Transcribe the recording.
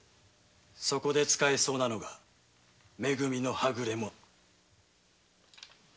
そこで使えそうなのがめ組の「はぐれ者」。